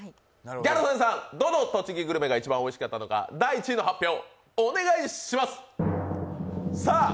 ギャル曽根さん、どの栃木グルメが一番おいしかったか第１位の発表、お願いします。